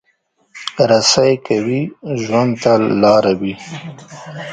رسۍ که وي، ژوند ته لاره وي.